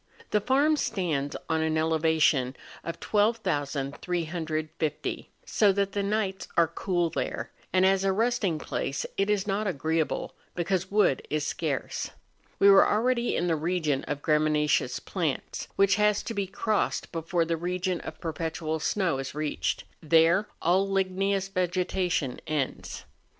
The farm stands on an elevation of 12,350, so that the nights are cool there; and as a resting place, it is not agreeable, because wood is scarce. We were already in the region of graminaceous plants, which has to be crossed before the region of perpetual snow is reached; there all ligneous vegetation ends.